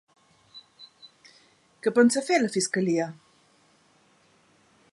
Què pensa fer la fiscalia?